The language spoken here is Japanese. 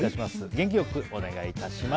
元気良くお願いします。